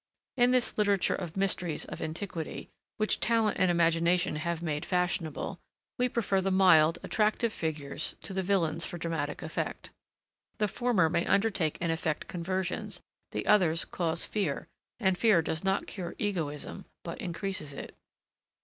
In this literature of mysteries of iniquity, which talent and imagination have made fashionable, we prefer the mild, attractive figures to the villains for dramatic effect. The former may undertake and effect conversions, the others cause fear, and fear does not cure egoism, but increases it.